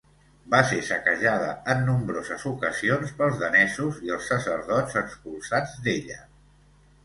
Va ser saquejada en nombroses ocasions pels danesos i els sacerdots expulsats d'ella.